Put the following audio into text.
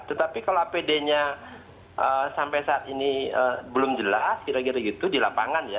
tetapi kalau apd nya sampai saat ini belum jelas kira kira gitu di lapangan ya